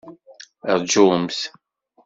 Rǧumt!